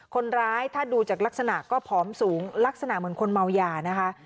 คนร้ายถ้าดูจากลักษณะก็ผอมสูงลักษณะเหมือนคนเมายานะคะ